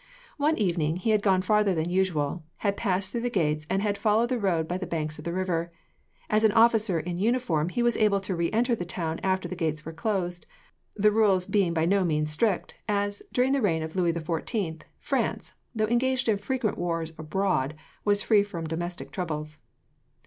One evening, he had gone farther than usual, had passed through the gates, and had followed the road by the banks of the river. As an officer in uniform, he was able to re enter the town after the gates were closed, the rules being by no means strict, as, during the reign of Louis the 14th, France, though engaged in frequent wars abroad, was free from domestic troubles.